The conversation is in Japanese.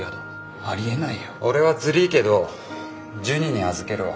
俺はずりぃけどジュニに預けるわ。